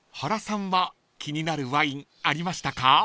［原さんは気になるワインありましたか？］